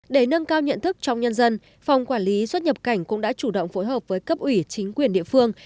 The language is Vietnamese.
để nâng cao nhận thức trong nhân dân phòng quản lý xuất nhập cảnh cũng đã chủ động phối hợp với cấp ủy chính quyền địa phương